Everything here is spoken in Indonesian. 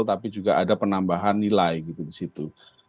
tapi juga ada penambahan nilai gitu di situ